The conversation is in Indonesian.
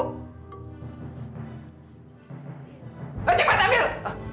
nah cepat ambil